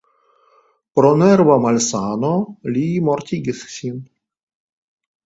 Pro nerva malsano li mortigis sin.